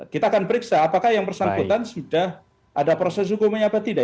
kita akan periksa apakah yang bersangkutan sudah ada proses hukumnya apa tidak